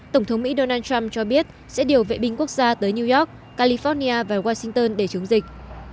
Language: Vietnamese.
tổng thống mỹ donald trump cho biết sẽ điều vệ binh quốc gia tới new york california và washington để chống dịch